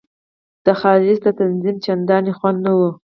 د خالص د تنظیم چندان خوند نه وو.